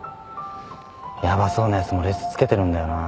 ヤバそうなやつもレスつけてるんだよな。